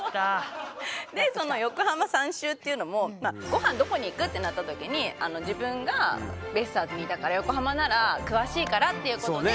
その横浜３周っていうのもご飯どこに行く？ってなった時に自分がベイスターズにいたから横浜なら詳しいからっていうことで。